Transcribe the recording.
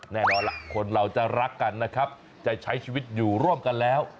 แน่นอนล่ะคนเราจะรักกันนะครับจะใช้ชีวิตอยู่ร่วมกันแล้ว